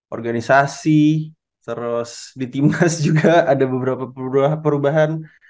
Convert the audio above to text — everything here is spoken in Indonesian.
organisasi terus di timnas juga ada beberapa perubahan